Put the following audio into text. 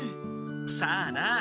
さあな。